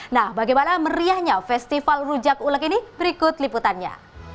nah bagaimana meriahnya festival rujak ulek ini berikut liputannya